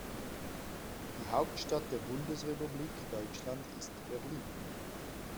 Die Hauptstadt der Bundesrepublik Deutschland ist Berlin